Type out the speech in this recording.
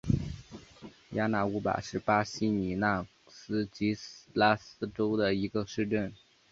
雅纳乌巴是巴西米纳斯吉拉斯州的一个市镇。